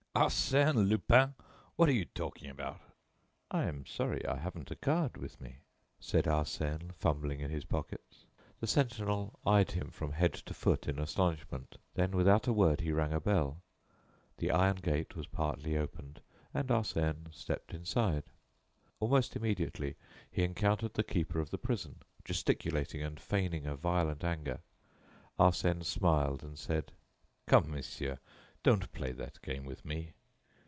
"Arsène Lupin! What are you talking about!" "I am sorry I haven't a card with me," said Arsène, fumbling in his pockets. The sentinel eyed him from head to foot, in astonishment. Then, without a word, he rang a bell. The iron gate was partly opened, and Arsène stepped inside. Almost immediately he encountered the keeper of the prison, gesticulating and feigning a violent anger. Arsène smiled and said: "Come, monsieur, don't play that game with me.